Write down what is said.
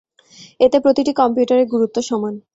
এতে প্রতিটি কম্পিউটারের গুরুত্ব সমান।